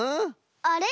あれ？